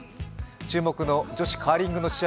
注目の女子カーリングの試合